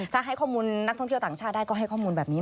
ถ้าให้ข้อมูลนักท่องเที่ยวต่างชาติได้ก็ให้ข้อมูลแบบนี้